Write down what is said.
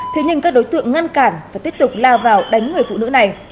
thế nhưng các đối tượng ngăn cản và tiếp tục lao vào đánh người phụ nữ này